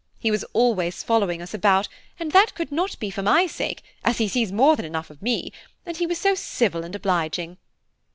He was always following us about, and that could not be for my sake, as he sees more than enough of me, and he was so civil and obliging.